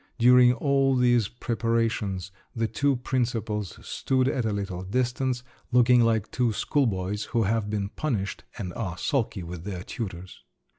During all these preparations, the two principals stood at a little distance, looking like two schoolboys who have been punished, and are sulky with their tutors.